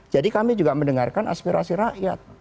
jadi kami juga mendengarkan aspirasi rakyat